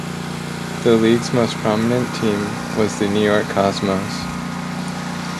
The league's most prominent team was the New York Cosmos.